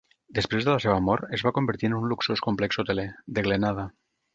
Després de la seva mort, es va convertir en un luxós complex hoteler, The Glenada.